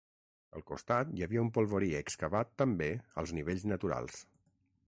Al costat hi ha un polvorí excavat també als nivells naturals.